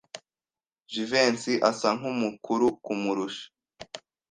Jivency asa nkumukuru kumurusha.